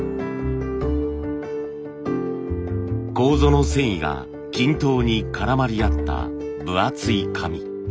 楮の繊維が均等に絡まり合った分厚い紙。